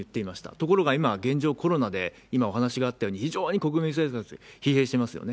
ところが今、現状、コロナで今お話があったように、非常に国民生活、疲弊してますよね。